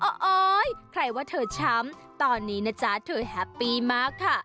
โอ๊ยใครว่าเธอช้ำตอนนี้นะจ๊ะเธอแฮปปี้มากค่ะ